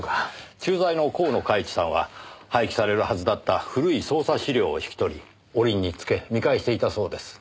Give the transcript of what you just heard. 駐在の河野嘉一さんは廃棄されるはずだった古い捜査資料を引き取り折につけ見返していたそうです。